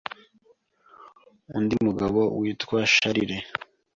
Undi mugabo witwa Charles